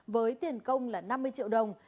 với tiền công là năm mươi triệu đồng